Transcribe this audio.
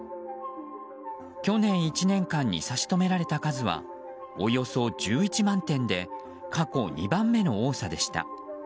去年１年間に差し止められた数はおよそ１１万点で過去２番目の多さでした。